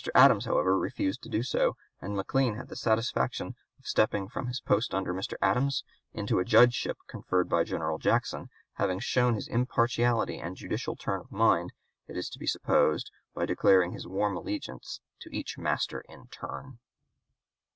Adams, however, refused to do so, and McLean had the satisfaction of stepping from his post under Mr. Adams into a judgeship conferred by General Jackson, having shown his impartiality and judicial turn of mind, it is to be supposed, by declaring his warm allegiance to each master in turn.